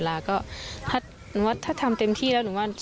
สางชีวิตข้าวที่สุดทั้งหมด